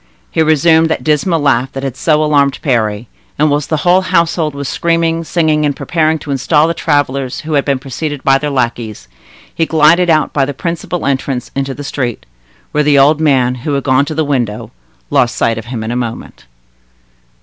He resumed that dismal laugh that had so alarmed Parry; and whilst the whole household was screaming, singing, and preparing to install the travelers who had been preceded by their lackeys, he glided out by the principal entrance into the street, where the old man, who had gone to the window, lost sight of him in a moment.